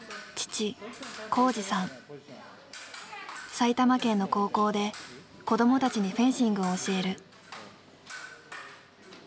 埼玉県の高校で子どもたちにフェンシングを教える。